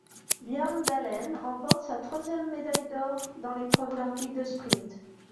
Bjørndalen remporte sa troisième médaille d'or dans l'épreuve olympique de sprint.